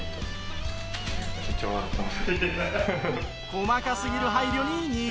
細かすぎる配慮に苦笑い。